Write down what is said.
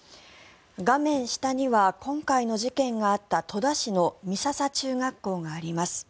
画面下には今回の事件があった戸田市の美笹中学校があります。